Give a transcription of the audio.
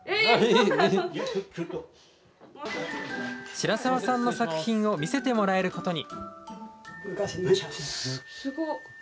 白澤さんの作品を見せてもらえることに。